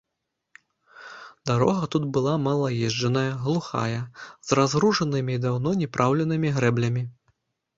Дарога тут была малаезджаная, глухая, з разгружанымі і даўно не праўленымі грэблямі.